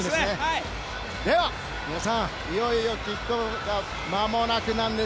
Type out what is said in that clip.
では、皆さんいよいよキックオフがまもなくです。